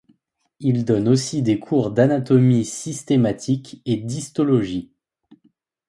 Il donne aussi des cours d'anatomie systématique et d'histologie.